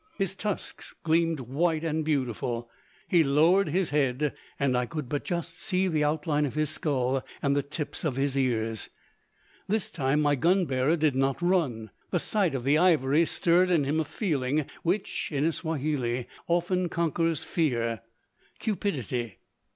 His tusks gleamed white and beautiful. He lowered his head, and I could but just see the outline of his skull and the tips of his ears. This time my gun bearer did not run. The sight of the ivory stirred in him a feeling, which, in a Swahili, often conquers fear cupidity.